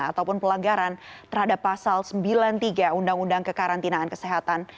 ataupun pelanggaran terhadap pasal sembilan puluh tiga undang undang kekarantinaan kesehatan